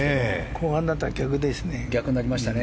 後半になったら逆ですね。